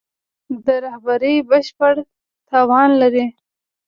د رهبري بشپړ توان لري.